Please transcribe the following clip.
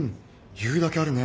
言うだけあるね。